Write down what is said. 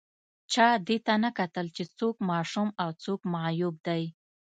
چا دې ته نه کتل چې څوک ماشوم او څوک معیوب دی